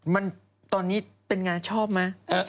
มันตอนนี้เป็นยังไงชอบมั้ย